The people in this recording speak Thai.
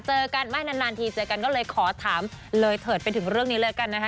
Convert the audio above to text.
เจอกันไม่นานทีเจอกันก็เลยขอถามเลยเถิดไปถึงเรื่องนี้เลยละกันนะคะ